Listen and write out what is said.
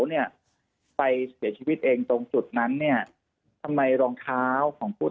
เนี่ยไปเสียชีวิตเองตรงจุดนั้นเนี่ยทำไมรองเท้าของผู้